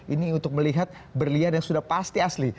ini untuk melihat berlian yang sudah pasti asli